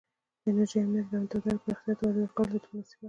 د انرژۍ امنیت او دوامداره پراختیا ته وده ورکول د دې ډیپلوماسي برخې دي